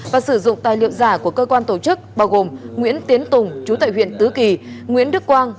và sử dụng tài liệu giả của cơ quan tổ chức bao gồm nguyễn tiến tùng chú tại huyện tứ kỳ nguyễn đức quang